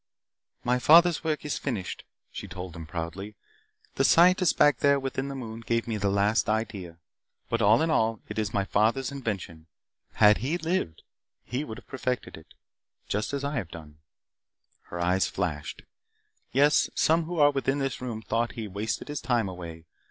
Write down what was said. "My father's work is finished," she told them proudly. "The Scientist back there within the moon gave me the last idea. But, all in all, it is my father's invention. Had he lived, he would have perfected it. Just as I have done." Her eyes flashed. "Yes, some who are within this room thought that he wasted his time away.